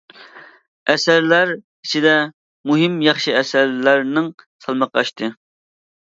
ئەسەرلەر ئىچىدە مۇھىم، ياخشى ئەسەرلەرنىڭ سالمىقى ئاشتى.